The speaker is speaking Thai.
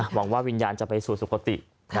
หวังว่าวิญญาณจะไปสู่สุขติ